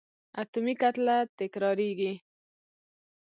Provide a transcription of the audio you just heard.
اتومي کتله تکرارېږي.